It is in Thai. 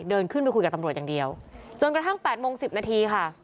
เดินขึ้นไปคุยกับตำรวจอย่างเดียวจนกระทั่ง๘โมง๑๐นาทีค่ะ